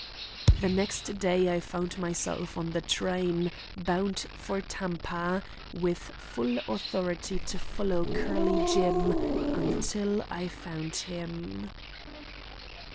The next day I found myself on the train bound for Tampa, with full authority to follow Curly Jim until I found him.